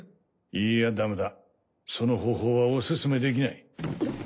いいやだめだその方法はオススメできない。